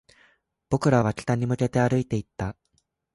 僕らは北に向けて歩いていった